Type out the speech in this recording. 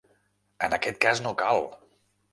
En aquest cas no cal!